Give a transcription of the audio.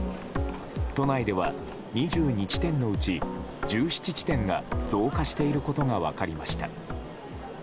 都内では、２２地点のうち１７地点が増加していることが分かりました。